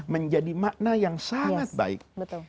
menjadi makna yang sangat baik